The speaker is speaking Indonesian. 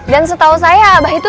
dan setahu saya abah itu